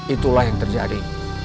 itulah yang terjadi